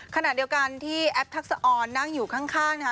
ขณะเดียวกันที่แอปทักษะออนนั่งอยู่ข้างนะคะ